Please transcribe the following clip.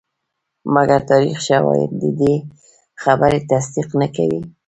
مګر تاریخي شواهد ددې خبرې تصدیق نه کوي.